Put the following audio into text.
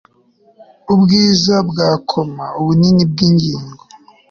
Ubwiza bwa koma ubunini bwingingo